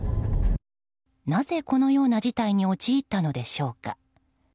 なぜ、このような事態に陥ったのでしょうか。